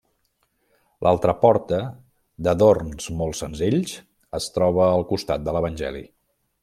L'altra porta, d'adorns molt senzills, es troba al costat de l'evangeli.